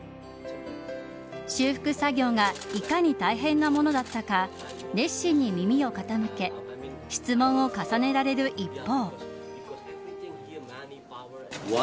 修復作業がいかに大変なものだったか熱心に耳を傾け質問を重ねられる一方。